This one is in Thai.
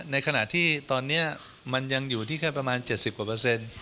ในขณะที่ตอนนี้มันยังอยู่ที่แค่ประมาณ๗๐กว่าเปอร์เซ็นต์